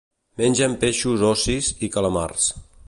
Mengen peixos ossis i calamars.